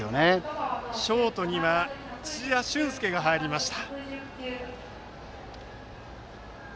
ショートには土田峻佑が入りました。